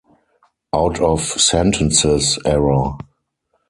Out of sentences error.